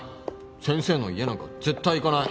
先生の家なんか絶対行かない！